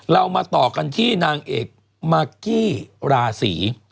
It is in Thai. เรามาต่อกันที่นางเอกมากกี้ราศี